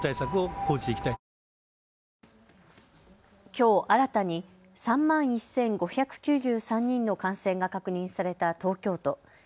きょう新たに３万１５９３人の感染が確認された東京都。